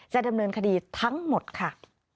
ดำเนินคดีทั้งหมดค่ะ